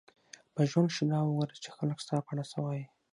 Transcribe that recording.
په ژوند کښي دا وګوره، چي خلک ستا په اړه څه وايي.